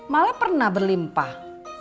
malah pernah berlimpah